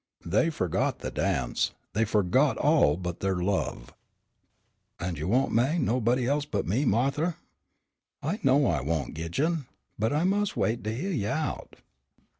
They forgot the dance, they forgot all but their love. "An' you won't ma'y nobody else but me, Martha?" "You know I won't, Gidjon." "But I mus' wait de yeah out?"